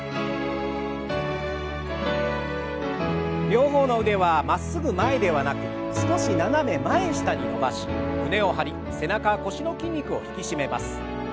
両方の腕はまっすぐ前ではなく少し斜め前下に伸ばし胸を張り背中腰の筋肉を引き締めます。